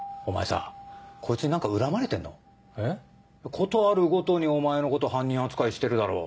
事あるごとにお前のこと犯人扱いしてるだろ？